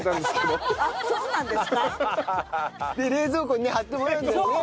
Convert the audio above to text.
冷蔵庫にね貼ってもらうんだよね。